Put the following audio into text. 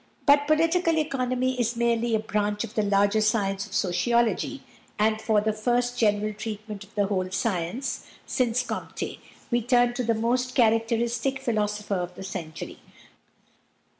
But political economy is merely a branch of the larger science of sociology, and for the first general treatment of the whole science, since Comte, we turn to the most characteristic philosopher of the century.